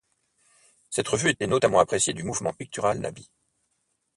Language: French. Cette revue était notamment appréciée du mouvement pictural nabi.